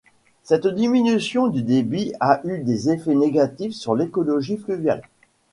Cette diminution du débit a eu des effets négatifs sur l'écologie fluviale.